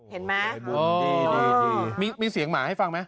เห็นไหมโอ้โฮดีมีเสียงหมาให้ฟังไหม